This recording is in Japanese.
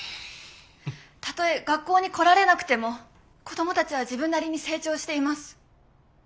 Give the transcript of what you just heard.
たとえ学校に来られなくても子供たちは自分なりに成長しています。